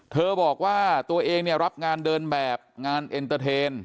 บอกว่าตัวเองเนี่ยรับงานเดินแบบงานเอ็นเตอร์เทน